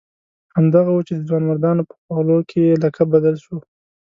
همدغه وو چې د ځوانمردانو په خولو کې یې لقب بدل شو.